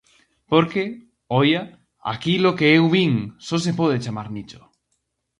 Porque, oia, aquilo que eu vin, só se pode chamar nicho.